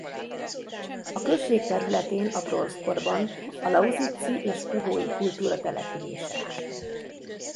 A község területén a bronzkorban a lausitzi és puhói kultúra települése állt.